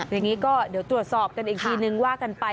อย่างนี้ก็เดี๋ยวตรวจสอบกันอีกทีนึงว่ากันไป